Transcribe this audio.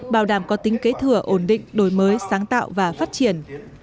bảo đảm có tính kế thừa ổn định đổi mới sáng tạo và phát triển